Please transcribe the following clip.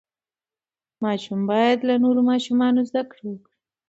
ماشوم باید له نورو ماشومانو زده کړه وکړي.